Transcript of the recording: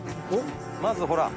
まずほら。